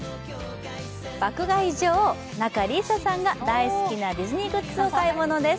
爆買い女王・仲里依紗さんが大好きなディズニーグッズをお買い物です。